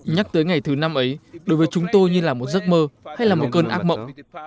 nhắc tới ngày thứ năm ấy đối với chúng tôi như là một giấc mơ hay là một cơn ác mộng